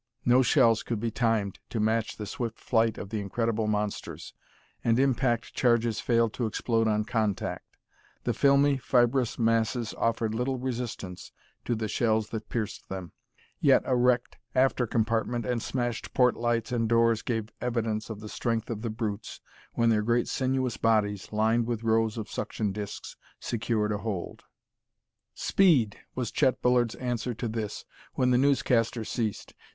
No shells could be timed to match the swift flight of the incredible monsters, and impact charges failed to explode on contact; the filmy, fibrous masses offered little resistance to the shells that pierced them. Yet a wrecked after compartment and smashed port lights and doors gave evidence of the strength of the brutes when their great sinuous bodies, lined with rows of suction discs, secured a hold. "Speed!" was Chet Bullard's answer to this, when the newscaster ceased.